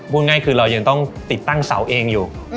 พูดง่ายคือเรายังต้องติดตั้งเสาเองอยู่